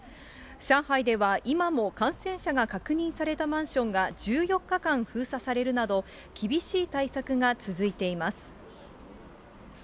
上海では今も、感染者が確認されたマンションが、１４日間封鎖されるなど、厳しい対策が続いています。